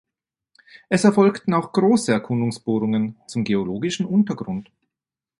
Es erfolgten auch große Erkundungsbohrungen zum geologischen Untergrund.